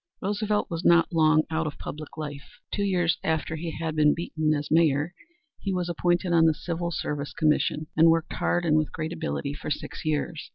Roosevelt was not long out of public life. Two years after he had been beaten as Mayor he was appointed on the Civil Service Commission and worked hard and with great ability for six years.